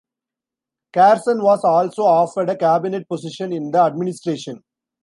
Carson was also offered a cabinet position in the administration.